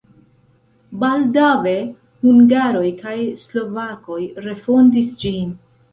Baldaŭe hungaroj kaj slovakoj refondis ĝin.